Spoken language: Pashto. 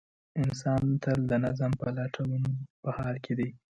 انسان تل د نظم د لټون په حال کې دی.